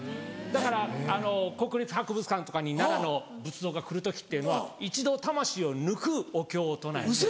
だから国立博物館とかに奈良の仏像が来る時っていうのは一度魂を抜くお経を唱えて。